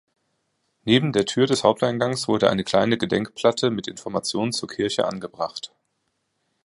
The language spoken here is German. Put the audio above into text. Neben der Tür des Haupteingang wurde eine kleine Gedenkplatte mit Informationen zur Kirche angebracht.